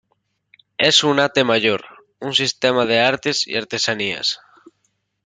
Es un ate mayor, un sistema de artes y artesanías".